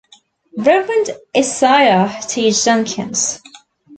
Reverend Isaiah T. Jenkins.